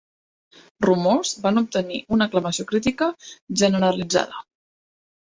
"Rumors" van obtenir una aclamació crítica generalitzada.